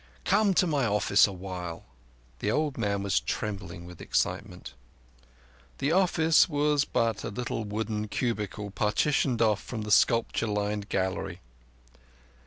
Come to my office awhile." The old man was trembling with excitement. The office was but a little wooden cubicle partitioned off from the sculpture lined gallery.